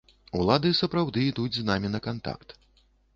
Улады сапраўды ідуць з намі на кантакт.